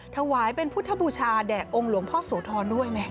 ถวายเป็นพุทธบูชาแด่องค์หลวงพ่อโสธรด้วยไหม